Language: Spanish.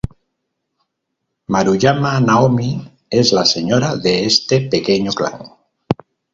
Maruyama Naomi es la señora de este pequeño clan.